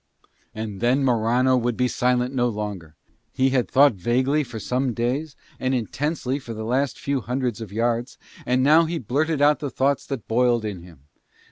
And then Morano would be silent no longer. He had thought vaguely for some days and intensely for the last few hundreds yards, and now he blurted out the thoughts that boiled in him.